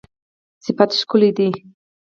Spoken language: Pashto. صفت ښکلی دی